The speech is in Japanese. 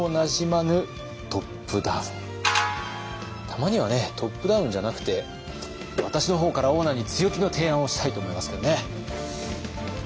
たまにはねトップダウンじゃなくて私の方からオーナーに強気の提案をしたいと思いますけどね。